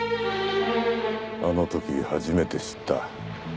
あの時初めて知った。